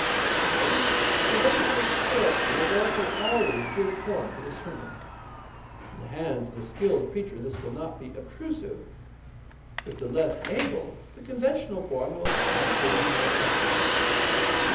A certain hereditary character will therefore always give form to the sermon. In the hands of the skilled preacher this will not be obtrusive; with the less able the conventional form will naturally be more evident.